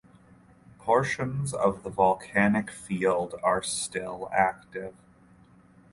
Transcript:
Portions of the volcanic field are still active.